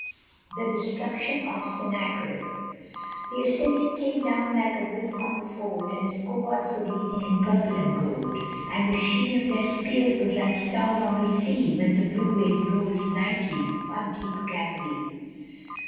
THE DESTRUCTION OF SENNACHERIB The Assyrian came down like the wolf on the fold, And his cohorts were gleaming in purple and gold; And the sheen of their spears was like stars on the sea, When the blue wave rolls nightly on deep Galilee.